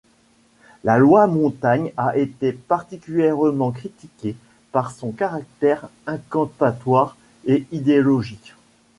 La Loi montagne a été particulièrement critiquée par son caractère incantatoire et idéologique.